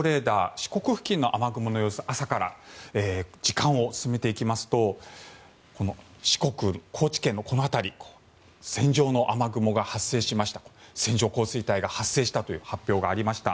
四国付近の雨雲の様子朝から時間を進めていきますと四国・高知県の辺りに線上の雨雲線状降水帯が発生したという発表がありました。